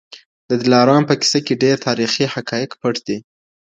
د دلارام په کیسه کي ډېر تاریخي حقایق پټ دي